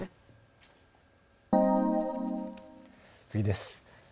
次です。